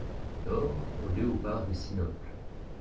D'or au léopard de sinople.